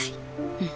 うん。